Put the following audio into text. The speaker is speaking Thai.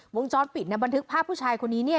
วงจรปิดบันทึกภาพผู้ชายคนนี้เนี่ย